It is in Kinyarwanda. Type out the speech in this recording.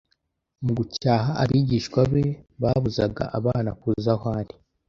Mu gucyaha abigishwa be babuzaga abana kuza aho ari,